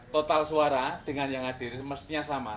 total suara dengan yang hadir mestinya sama